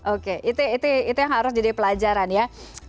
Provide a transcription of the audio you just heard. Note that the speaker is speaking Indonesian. oke itu yang harus jadi pelajaran ya